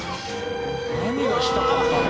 何がしたかったの？